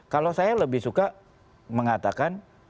kalau saya lebih suka mengatakan